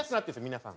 皆さん。